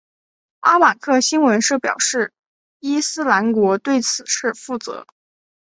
阿马克新闻社表示伊斯兰国对此事负责。